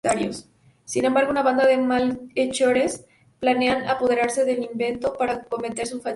Sin embargo una banda de malhechores planean apoderarse del invento para cometer sus fechorías.